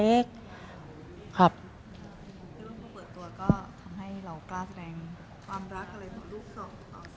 เรื่องพอเปิดตัวก็ทำให้เรากล้าแสดงความรักอะไรของลูกของเขาขึ้นไหม